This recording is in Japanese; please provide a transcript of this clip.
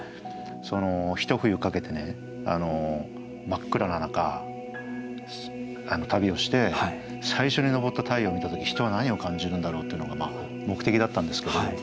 真っ暗な中旅をして最初に昇った太陽を見た時人は何を感じるんだろうっていうのが目的だったんですけど。